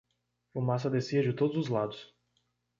Fumaça descia de todos os lados.